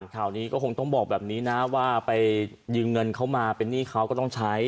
ข่าวนี้ก็คงต้องบอกแบบนี้นะว่าไปยืมเงินเขามาเป็นหนี้เขาก็ต้องใช้